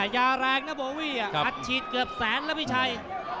ยาแรงนะโบวี่อัดฉีดเกือบแสนแล้วพี่ชัย